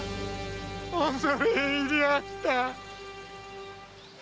恐れ入りやした！